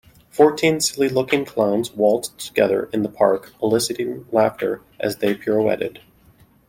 Fourteen silly looking clowns waltzed together in the park eliciting laughter as they pirouetted.